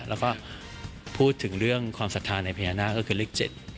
แล้วก็พูดถึงเรื่องความศรัทธาในพญานาคก็คือเลข๗